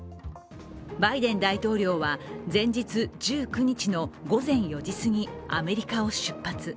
バイデン大統領は前日１９日の午前４時すぎ、アメリカを出発。